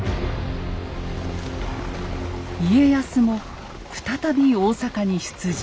家康も再び大坂に出陣。